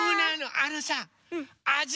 あのさあじ